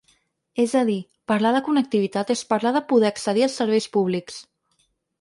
És a dir, parlar de connectivitat és parlar de poder accedir als serveis públics.